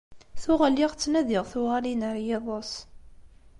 Tuɣ lliɣ ttnadiɣ tuɣalin ar yiḍes.